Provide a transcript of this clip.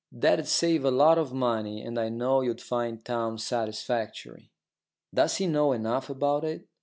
That'd save a lot of money, and I know you'd find Townes satisfactory." "Does he know enough about it?"